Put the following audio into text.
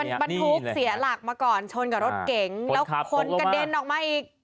มันบรรทุกเสียหลักมาก่อนชนกับรถเก๋งแล้วคนกระเด็นออกมาอีก